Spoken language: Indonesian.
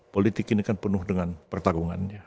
politik ini kan penuh dengan pertarungannya